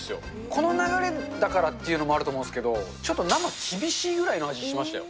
この流れだからっていうのもあるんですけれども、ちょっと生、厳しいぐらいの味しましたよ。